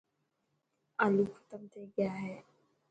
آلو ختم ٿي گيا هي.